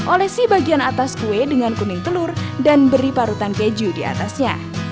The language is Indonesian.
olesi bagian atas kue dengan kuning telur dan beri parutan keju di atasnya